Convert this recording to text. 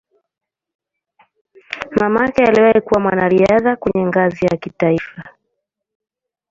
Mamake aliwahi kuwa mwanariadha kwenye ngazi ya kitaifa.